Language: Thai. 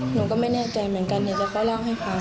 หนูก็ไม่แน่ใจเหมือนกันเดี๋ยวจะเล่าให้ฟัง